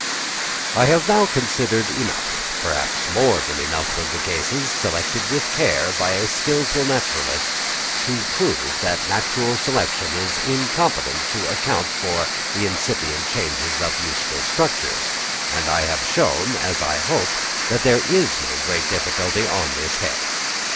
I have now considered enough, perhaps more than enough, of the cases, selected with care by a skilful naturalist, to prove that natural selection is incompetent to account for the incipient stages of useful structures; and I have shown, as I hope, that there is no great difficulty on this head.